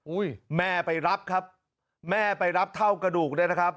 แม่ไปรับครับแม่ไปรับเท่ากระดูกด้วยนะครับ